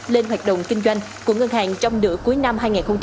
lên hoạt động kinh doanh của ngân hàng trong nửa cuối năm hai nghìn hai mươi bốn